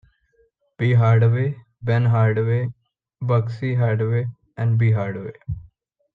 B. Hardaway, Ben Hardaway, Buggsy Hardaway and B. Hardaway.